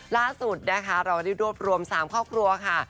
ล่าสุดนะคะเราได้รวบรวม๓ครอบครัวค่ะ